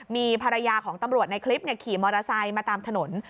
มีภรรยาของตำรวจในคลิปขี่มอเตอร์ไซค์มาตามถนน